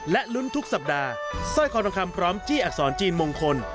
และลุ้นทุกสัปดาห์สร้อยคอทองคำพร้อมจี้อักษรจีนมงคล